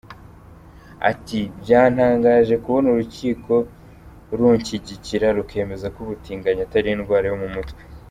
Ati” Byantangaje kubona urukiko runshyigikira, rukemeza ko ubutinganyi atari indwara yo mu mutwe.